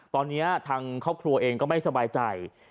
ตอนนี้ทางครอบครัวเองก็ไม่สบายใจ